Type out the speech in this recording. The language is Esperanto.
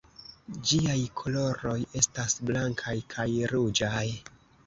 Ĝiaj koloroj estas blankaj kaj ruĝaj.